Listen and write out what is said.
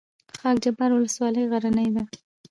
خاک جبار ولسوالۍ غرنۍ ده؟